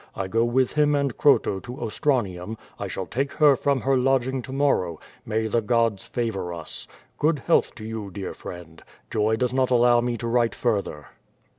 I go with him and Croto to Ostranium; I shall take her from her lodging to morrow; may the gods favor us! Good health to you, dear friend. Joy does not allow me to write further."